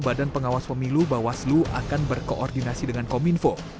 badan pengawas pemilu bawaslu akan berkoordinasi dengan kominfo